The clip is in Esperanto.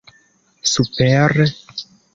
super